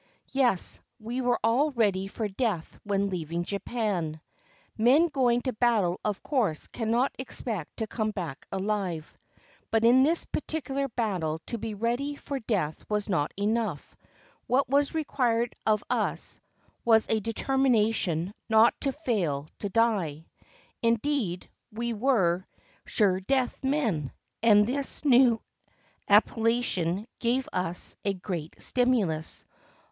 Yes, we were all ready for death when leaving Japan. Men going to battle of course cannot expect to come back alive. But in this particular battle to be ready for death was not enough ; what was required of us was a determination not to fail to die. Indeed, we were "sure death" men, and this new appellation gave us a great stimulus.